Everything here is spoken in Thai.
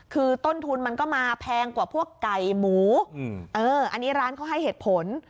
คือต้นทุนมันก็มาแพงกว่าพวกไก่หมูเอออันนี้ร้านเขาให้เหตุผล